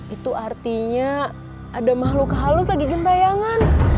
itu artinya ada makhluk halus lagi gin tayangan